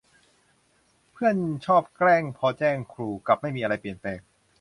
เพื่อนชอบแกล้งพอแจ้งครู กลับไม่มีอะไรเปลี่ยนแปลง